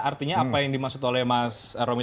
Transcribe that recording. artinya apa yang dimaksud oleh mas romi